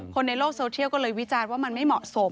คนในโลกโซเทียลก็เลยวิจารณ์ว่ามันไม่เหมาะสม